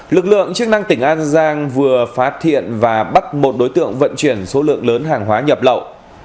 lực lượng chức năng tỉnh an giang vừa phát hiện và bắt một đối tượng vận chuyển số lượng lớn hàng hóa nhập lậu